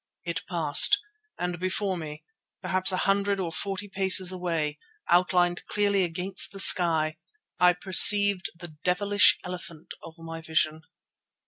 It passed, and before me, perhaps a hundred and forty paces away, outlined clearly against the sky, I perceived the devilish elephant of my vision.